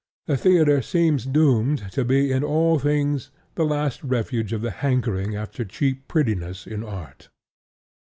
The theatre seems doomed to be in all things the last refuge of the hankering after cheap prettiness in art.